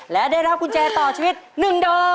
และได้รับกุญแจต่อชีวิต๑ดอก